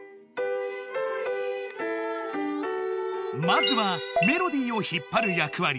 まずはメロディを引っ張る役割